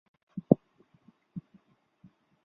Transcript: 本专辑获得双白金销量优秀成绩。